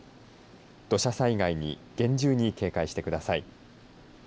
土砂災害に厳重に警戒してください。